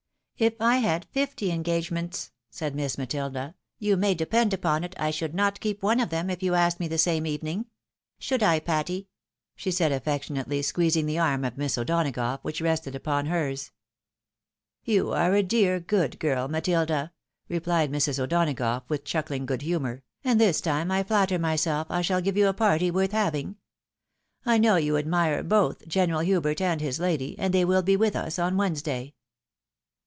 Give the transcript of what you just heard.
" If I had fifty engagements," said Miss Matilda, " you may depend upon it I should not keep one of them, if you asked me the same evening. Should I, Patty?" she said, affectionately squeezing the arm of Miss O'Donagough, which rested upon hers. " You are a dear, good girl, Matilda," rephed Mrs. O'Dona gough, with chuokHng good humour ;" and this time I flatter myself I shall give you a party worth having. I know you admire both General Hubert and his lady, and they will be with us on Wednesday."